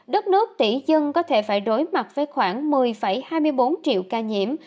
đất nước tỷ dân có thể phải đối mặt với khoảng một mươi hai mươi bốn triệu ca nhiễm